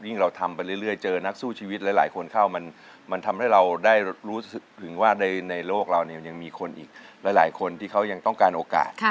เราทำไปเรื่อยเจอนักสู้ชีวิตหลายคนเข้ามันทำให้เราได้รู้สึกถึงว่าในโลกเราเนี่ยยังมีคนอีกหลายคนที่เขายังต้องการโอกาส